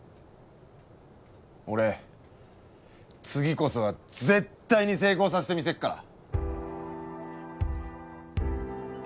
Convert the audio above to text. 俺次こそは絶対に成功させてみせっから！